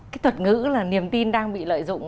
cái thuật ngữ là niềm tin đang bị lợi dụng